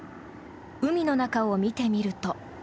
海の中を見てみると。